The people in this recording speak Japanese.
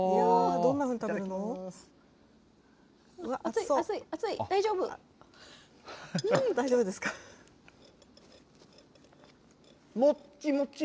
どんなふうに食べるの？